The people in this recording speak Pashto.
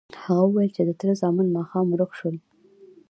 هغه وویل چې تره زامن ماښام ورک شول.